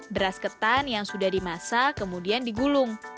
beras ketan yang sudah dimasak kemudian digulung